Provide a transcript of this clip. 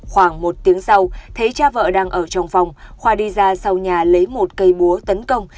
khoảng một tiếng sau thấy cha vợ đang ở trong phòng khoa đi ra sau nhà lấy một cây búa tấn công